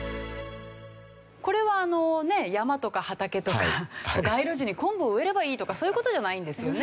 これはあの山とか畑とか街路樹に昆布を植えればいいとかそういう事じゃないんですよね？